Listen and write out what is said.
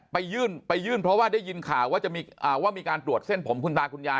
ไปยื่นเพราะว่าได้ยินข่าวว่ามีการตรวจเส้นผมคุณตาคุณยาย